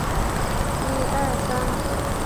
朱载境于嘉靖十八年袭封崇王。